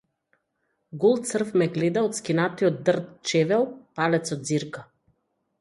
Гол црв ме гледа од скинатиот дрт чевел палецот ѕирка.